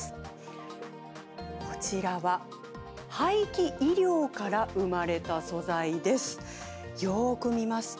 こちらは廃棄衣料から生まれた素材です。